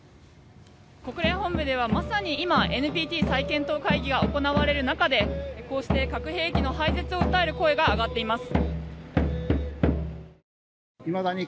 国連本部ではまさに今ＮＰＴ再検討会議が行われる中でこうして核兵器の廃絶を訴える声が上がっています。